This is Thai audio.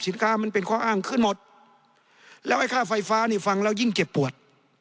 ค้ามันเป็นข้ออ้างขึ้นหมดแล้วไอ้ค่าไฟฟ้านี่ฟังแล้วยิ่งเจ็บปวด